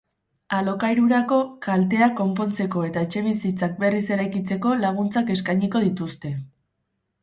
Alokairurako, kalteak konpontzeko eta etxebizitzak berriz eraikitzeko laguntzak eskainiko dituzte.